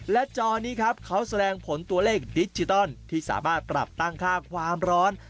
และจอนี้ครับเขาแสดงผลตัวเลขดิจิตอลที่สามารถปรับตั้งค่าความร้อน